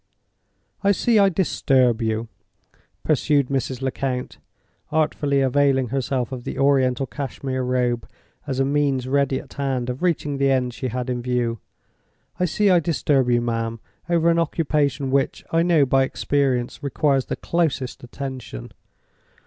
"I see I disturb you," pursued Mrs. Lecount, artfully availing herself of the Oriental Cashmere Robe as a means ready at hand of reaching the end she had in view—"I see I disturb you, ma'am, over an occupation which, I know by experience, requires the closest attention.